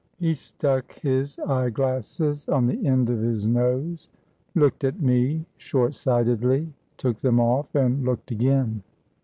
He stuck his eye glasses on the end of his nose, looked at me short sightedly, took them off and looked again.